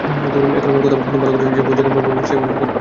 এখন আমার কথা ভালো করে শোন, যেভাবে জগন বাবু বলবে সেভাবেই করবি।